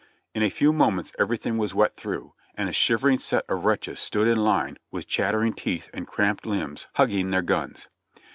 In a few moments everything was wet through, and a shivering set of wretches stood in line with chat tering teeth and cramped limbs, hugging their guns.